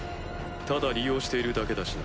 ただ利用しているだけだしな。